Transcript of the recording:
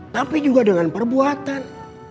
tapi juga dengan perbuatan